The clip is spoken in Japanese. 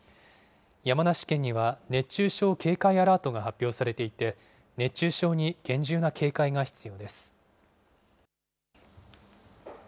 山梨県には熱中症警戒アラートが発表されていて、熱中症に厳重な警戒が必要です。